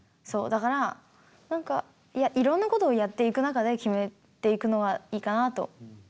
だから何かいやいろんなことをやっていく中で決めていくのはいいかなと思ってる。